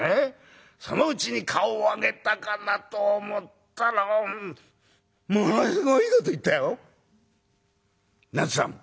そのうちに顔を上げたかなと思ったらものすごいこと言ったよ」。